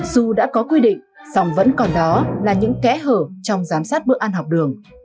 dù đã có quy định song vẫn còn đó là những kẽ hở trong giám sát bữa ăn học đường